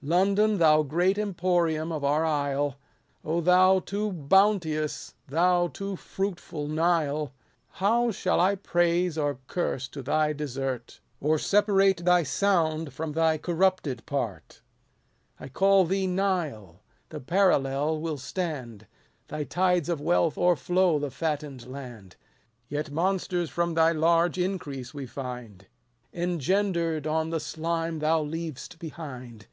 London, thou great emporium of our isle, thou too bounteous, thou too fruitful Mle ! How shall I praise or curse to thy desert % Or separate thy sound from thy corrupted part 1 170 1 ' The Man :' Crassus. 170 DRYDEX3 POEMS. I call thee Xile ; the parallel will stand ; 17 Thy tides of wealth o'erflow the fatten'd land ; Yet monsters from thy large increase we find, Engender'd on the slime thon leav'st behind.